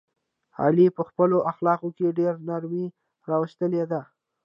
علي په خپلو اخلاقو کې ډېره نرمي راوستلې ده.